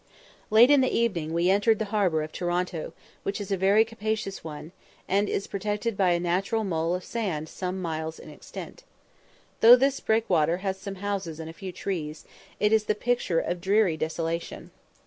Late in the evening we entered the harbour of Toronto, which is a very capacious one, and is protected by a natural mole of sand some miles in extent. Though this breakwater has some houses and a few trees, it is the picture of dreary desolation.